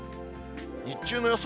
日中の予想